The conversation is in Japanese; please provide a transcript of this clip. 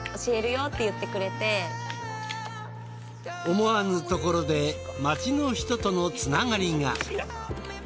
思わぬところで町の人とのつながりが。